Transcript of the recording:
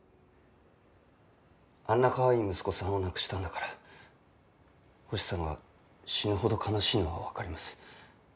あんなかわいい息子さんを亡くしたんだから星さんが死ぬほど悲しいのはわかります。